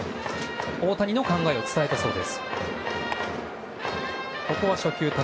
大谷の考えを伝えたそうです。